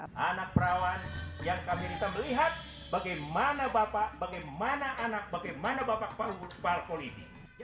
anak perawan yang kami bisa melihat bagaimana bapak bagaimana anak bagaimana bapak polisi